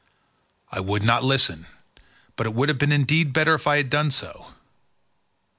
I would not listen, but it would have been indeed better if I had done so.